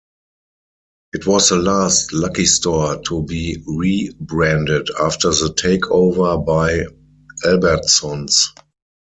It was the last Lucky Store to be re-branded after the takeover by Albertsons.